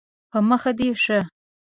په مخه دې ښه